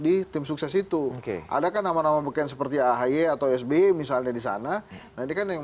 di tim sukses itu adakah nama nama beken seperti ahaye atau sbe misalnya disana nanti kan yang